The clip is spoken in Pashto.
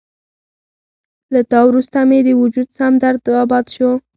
له تا وروسته مې وجود سم درداباد شو